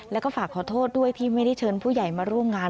แล้วก็ฝากขอโทษด้วยที่ไม่ได้เชิญผู้ใหญ่มาร่วมงาน